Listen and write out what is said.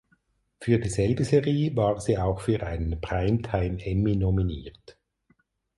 Für dieselbe Serie war sie auch für einen Primetime Emmy nominiert.